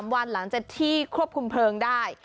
วันหลังจากที่ควบคุมเพลิงได้